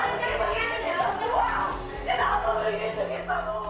ini tidak akan berhenti ini semua